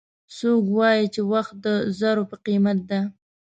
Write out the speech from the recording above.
څوک وایي چې وخت د زرو په قیمت ده